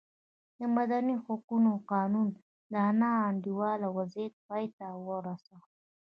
د مدني حقونو قانون دا نا انډوله وضعیت پای ته ورساوه.